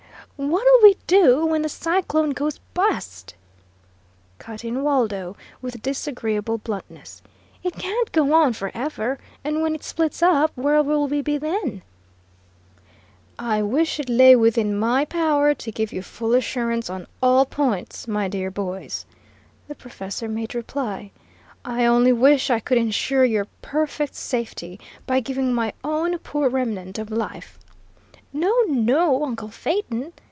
"What'll we do when the cyclone goes bu'st?" cut in Waldo, with disagreeable bluntness. "It can't go on for ever, and when it splits up, where will we be then?" "I wish it lay within my power to give you full assurance on all points, my dear boys," the professor made reply. "I only wish I could ensure your perfect safety by giving my own poor remnant of life " "No, no, uncle Phaeton!"